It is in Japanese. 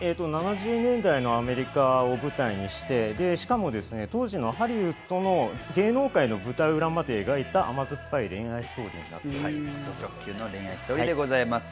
７０年代のアメリカを舞台にして、しかも、当時のハリウッドの芸能界の舞台裏まで描いた甘酸っぱい恋愛ストーリーです。